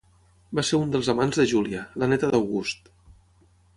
Va ser un dels amants de Júlia, la néta d'August.